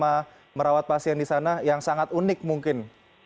apa saja pengalaman unik selama merawat pasien di sana yang sangat unik mungkin